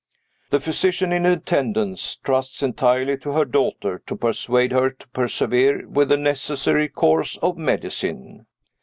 The physician in attendance trusts entirely to her daughter to persuade her to persevere with the necessary course of medicine.